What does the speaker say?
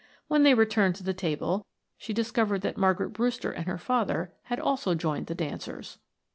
When they returned to the table she discovered that Margaret Brewster and her father had also joined the dancers.